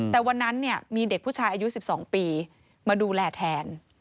แต่วันนั้นมีเด็กผู้ชายอายุ๑๒ปีมาดูแลแทน